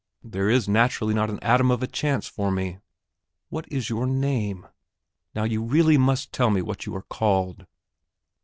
there is naturally not an atom of a chance for me.... What is your name? Now, you really must tell me what you are called."